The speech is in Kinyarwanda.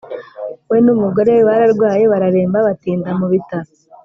we n’umugore we bararwaye bararemba batinda mu bitaro.